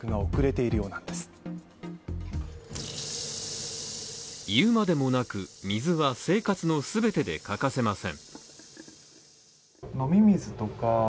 いうまでもなく水は生活の全てでかかせません。